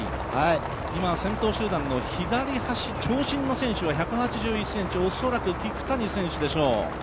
今、先頭集団の左端の長身の選手はおそらく聞谷選手でしょう。